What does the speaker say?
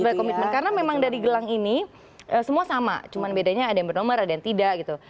ada komitmen karena memang dari gelang ini semua sama cuma bedanya ada yang bernomor ada yang tidak gitu